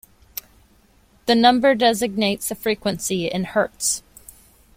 The number designates the frequency in hertz.